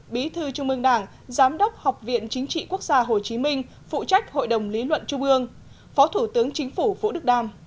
bí thư trung ương đảng giám đốc học viện chính trị quốc gia hồ chí minh phụ trách hội đồng lý luận trung ương phó thủ tướng chính phủ vũ đức đam